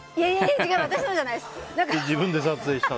違います、私のじゃないです。